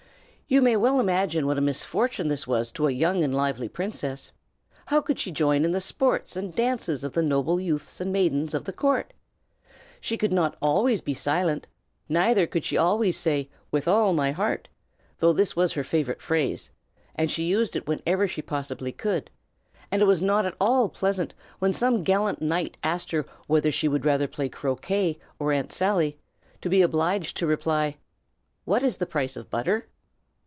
You may well imagine what a great misfortune this was to a young and lively princess. How could she join in the sports and dances of the noble youths and maidens of the court? She could not always be silent, neither could she always say, "With all my heart!" though this was her favorite phrase, and she used it whenever she possibly could; and it was not at all pleasant, when some gallant knight asked her whether she would rather play croquet or Aunt Sally, to be obliged to reply, "What is the price of butter?"